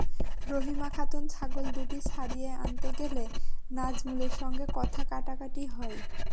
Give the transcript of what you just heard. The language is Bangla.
রহিমা খাতুন ছাগল দুটি ছাড়িয়ে আনতে গেলে নাজমুলের সঙ্গে কথা-কাটাকাটি হয়।